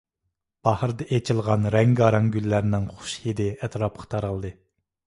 باھاردا ئېچىلغان رەڭگارەڭ گۈللەرنىڭ خۇش ھىدى ئەتراپقا تارالدى.